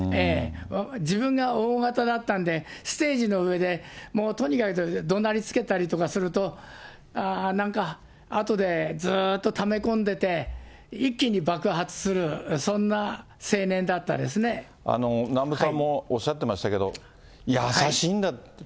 自分がＯ型だったんで、ステージの上でもうとにかくどなりつけたりとかすると、なんか、あとでずっとため込んでて、一気に爆発する、南部さんもおっしゃってましたけど、優しいんだって。